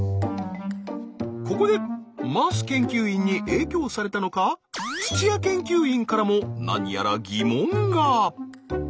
ここで桝研究員に影響されたのか土屋研究員からも何やら疑問が。